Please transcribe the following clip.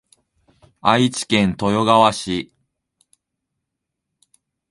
愛知県豊川市